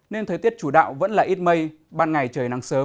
nên thời tiết chủ đạo vẫn là ít mây ban ngày trời nắng sớm